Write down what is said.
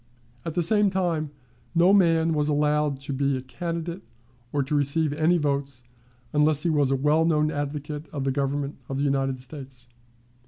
At the same time, no man was allowed to be a candidate or to receive any votes unless he was a well known advocate of the Government of the United States.